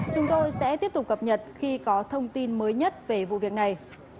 chúng tôi sẽ tiếp tục cập nhật khi có thông tin mới nhất về vụ việc này